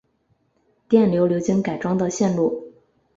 电流流经改装的线路